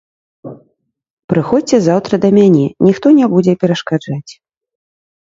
Прыходзьце заўтра да мяне, ніхто не будзе перашкаджаць.